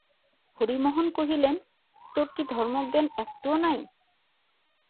হরিমোহন কহিলেন, তোর কি ধর্মজ্ঞান একটুও নাই?